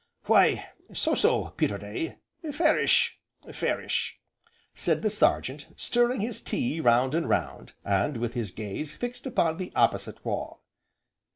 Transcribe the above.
"Why so so, Peterday, fairish! fairish!" said the Sergeant, stirring his tea round and round, and with his gaze fixed upon the opposite wall.